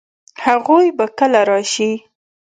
هغوی به کله راشي؟